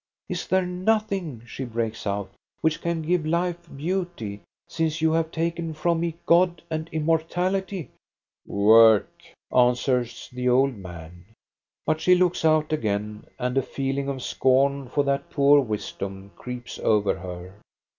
" Is there nothing," she breaks out, " which can give life beauty, since you have taken from me God and immortality? "" Work," answers the old man. But she looks out again, and a feeling of scorn for that poor wisdom creeps over her.